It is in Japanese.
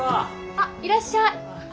あっいらっしゃい。